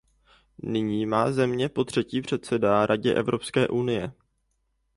Nyní má země potřetí předsedá Radě Evropské unie.